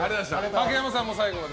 竹山さんも最後まで。